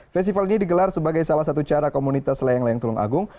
festival ini digelar sebagai salah satu cara komunitas layang layang tulung agung